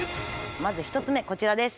まず１つ目こちらです。